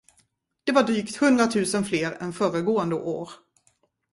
Det var drygt hundratusen fler än föregående år.